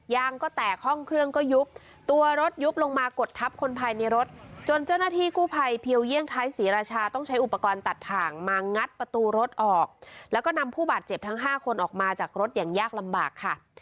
ยางก็แตกห้องเครื่องก็ยุบตัวรถยุบลงมากดทับคนภายในรถจนเจ้าหน้าที่กู้ภัยเพียวเยี่ยงไทยศรีราชาต้องใช้อุปกรณ์ตัดถ่างมางัดประตูรถออกแล้วก็นำผู้บาดเจ็บทั้ง๕คนออกมาจากรถอย่างยากลำบากค่ะ